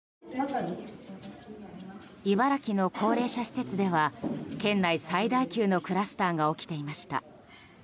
茨城の高齢者施設では県内最大級のクラスターが起きていました。